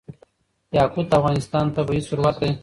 یاقوت د افغانستان طبعي ثروت دی.